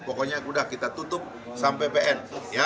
pokoknya sudah kita tutup sampai pn